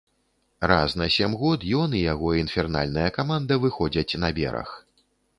Раз на сем год ён і яго інфернальная каманда выходзяць на бераг.